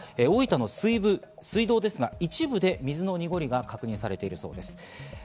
大分の水道ですが、一部で水の濁りが確認されているそうです。